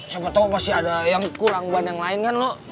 siapa tahu pasti ada yang kurang ban yang lain kan lo